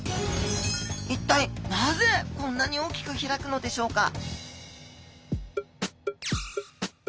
一体なぜこんなに大きく開くのでしょうか？